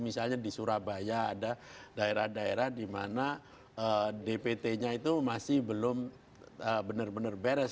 misalnya di surabaya ada daerah daerah di mana dpt nya itu masih belum benar benar beres